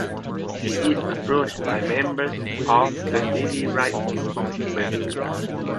She is approached by members of the civil rights movement.